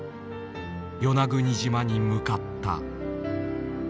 与那国島に向かった。